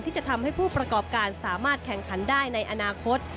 ที่จะทำให้ผู้ประกอบการสามารถแข่งขันได้ในอนาคต